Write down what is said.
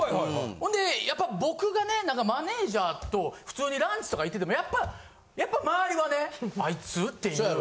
ほんでやっぱ僕がマネジャーと普通にランチとか行っててもやっぱ周りはね「あいつ」っていう。